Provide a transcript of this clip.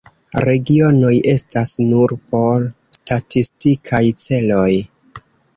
Regionoj estas nur por statistikaj celoj.